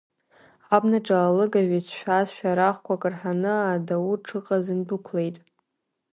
Абнаҿы алыгажә ицәшәаз шәарахқәак рҳаны адау дшыҟаз индәықәлеит.